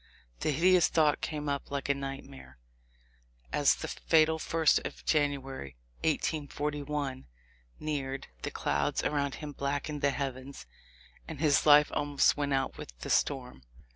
The hideous thought came up like a nightmare. As the "fatal first of January, 1841," neared, the clouds around him blackened the heavens and his life almost went out with the storm.